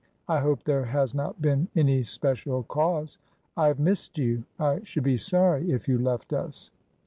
" I hope there has not been any special cause. I have missed you. I should be sorry if you left us.